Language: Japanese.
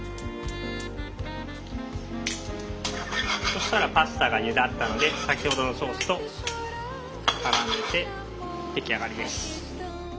そしたらパスタがゆだったんで先ほどのソースと絡めて出来上がりです。